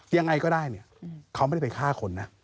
ยังไงก็ได้เนี่ยเขาไม่ได้ไปฆ่าคนนะ